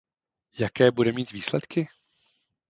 Jaké bude mít výsledky?